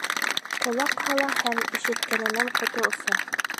Ҡолаҡ һала һәм ишеткәненән ҡото оса.